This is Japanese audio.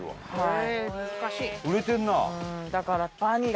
はい。